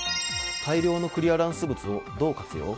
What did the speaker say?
大量のクリアランス物をどう活用？